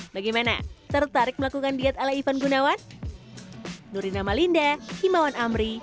bagaimana tertarik melakukan diet ala ivan gunawan